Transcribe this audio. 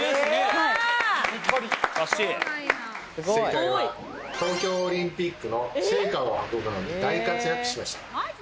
正解は東京オリンピックの聖火を運ぶのに大活躍しました。